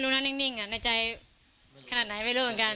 ดีใจไหม